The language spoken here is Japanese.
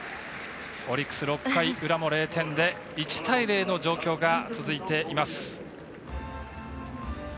オリックス６回裏も０点で１対０の状況が続いています。